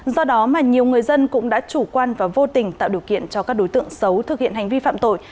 do đó mà nhiều người dân cũng đã chủ quan và vô tình tạo điều kiện cho các đối tượng xấu thực hiện hành vi phạm tội